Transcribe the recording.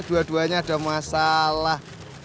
dua duanya ada masalah